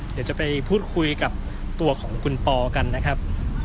เดี๋ยวจะไปพูดคุยกับตัวของคุณปอกันนะครับ